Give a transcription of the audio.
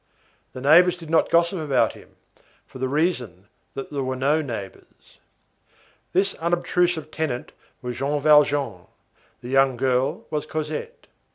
The neighbors did not gossip about him, for the reason that there were no neighbors. This unobtrusive tenant was Jean Valjean, the young girl was Cosette.